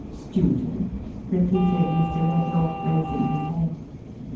" Student ?" repeated Mr. Reel law, raising his head.